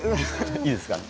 いいですか。